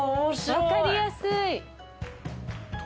分かりやすい。